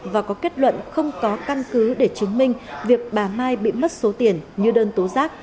và có kết luận không có căn cứ để chứng minh việc bà mai bị mất số tiền như đơn tố giác